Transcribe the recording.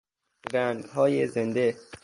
رنگهای زنده